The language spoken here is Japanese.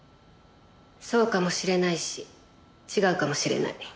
そうかもしれないし違うかもしれない。